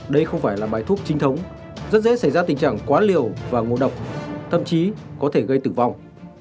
đây không phải là bài thuốc trinh thống rất dễ xảy ra tình trạng quá liều và ngộ độc thậm chí có thể gây tử vong